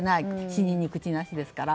死人に口なしですから。